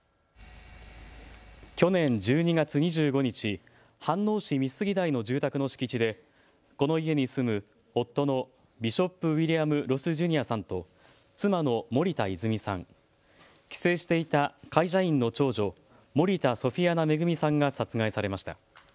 去年１２月２５日、飯能市美杉台の住宅の敷地でこの家に住む夫のビショップ・ウィリアム・ロス・ジュニアさんと妻の森田泉さん、帰省していた会社員の長女、森田ソフィアナ恵さんが殺害されました。